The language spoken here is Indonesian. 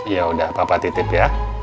yaudah papa titip ya